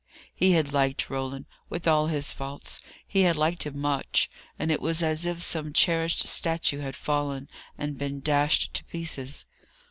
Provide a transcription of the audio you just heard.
He had liked Roland; with all his faults, he had liked him much; and it was as if some cherished statue had fallen, and been dashed to pieces.